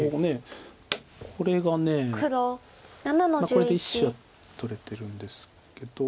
これで１子は取れてるんですけど。